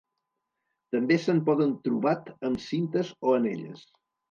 També se'n poden trobat amb cintes o anelles.